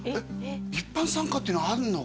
一般参加っていうのがあるの？